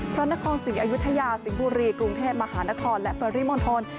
พระนครสิงหยุทยาสิงพุรีกรุงเทพมหานครและปริมนตร